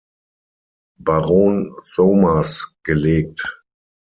Baron Somers, gelegt.